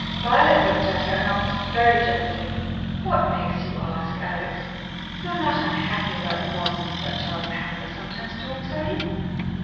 Violet looked at her and asked very gently: "What makes you ask, Alex? You're not unhappy about the nonsense that child Pamela sometimes talks, are you?"